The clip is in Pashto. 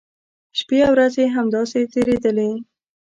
شپی او ورځې همداسې تېریدلې.